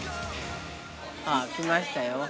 ◆あー、来ましたよ。